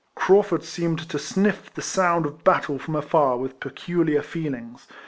Craufurd seemed to sniff the sound of battle from afar with peculiar feelings.